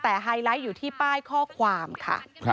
แต่ไฮไลท์อยู่ที่ป้ายข้อความค่ะ